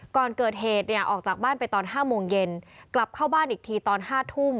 ก่อนเกิดเหตุเนี่ยออกจากบ้านไปตอน๕โมงเย็นกลับเข้าบ้านอีกทีตอน๕ทุ่ม